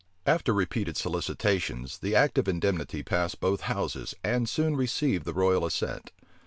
After repeated solicitations, the act of indemnity passed both houses, and soon received the royal assent.